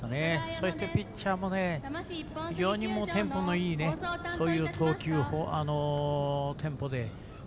そして、ピッチャーも非常にテンポのいいそういう投球テンポで。